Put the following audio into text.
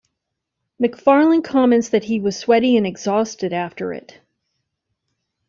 MacFarlane comments that he was "sweaty and exhausted after it".